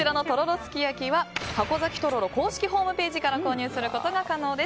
すき焼きは筥崎とろろ公式ホームページから購入することが可能です。